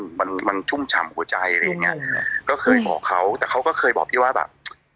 มันมันชุ่มฉ่ำหัวใจอะไรอย่างเงี้ยก็เคยบอกเขาแต่เขาก็เคยบอกพี่ว่าแบบ